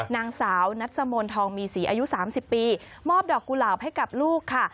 นางสาวนัสมนต์ทองมีศรีอายุ๓๐ปีมอบดอกกุหลาบให้กับลูกค่ะ